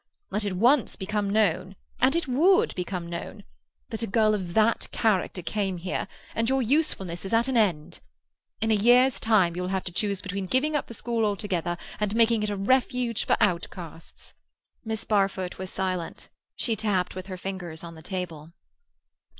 Let it once become known—and it would become known—that a girl of that character came here, and your usefulness is at an end. In a year's time you will have to choose between giving up the school altogether and making it a refuge for outcasts." Miss Barfoot was silent. She tapped with her fingers on the table.